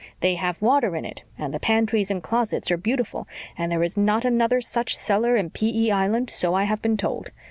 They have water in it, and the pantries and closets are beautiful, and there is not another such cellar in P. E. Island, so I have been told.